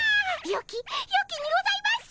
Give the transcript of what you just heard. よきにございます！